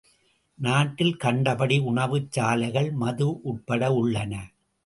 நாட்டில் கண்டபடி உணவுச் சாலைகள், மது உட்பட உள்ளன.